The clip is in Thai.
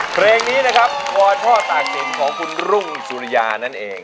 เพลงนี้นะครับวอท่อตากศิลปของคุณรุ่งสุริยานั่นเอง